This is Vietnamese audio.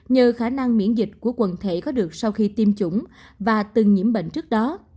nhờ khả năng miễn dịch của quần thể có được sau khi tiêm chủng và từng nhiễm bệnh trước đó